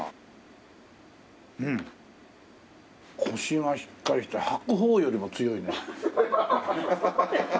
コシがしっかりして白鵬よりも強いね。